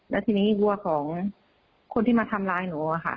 แล้วทีนี้วัวของคนที่มาทำร้ายหนู